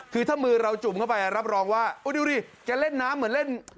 คือถ้ามือเราจุ่มเข้าไปรับรองว่าดูดิแกเล่นน้ำเหมือนเล่น